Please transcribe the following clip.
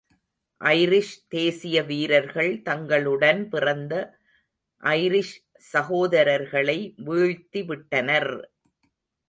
Irish தேசிய வீரர்கள் தங்களுடன் பிறந்த ஐரிஷ் சகோதரர்களை வீழ்த்திவிட்டனர்!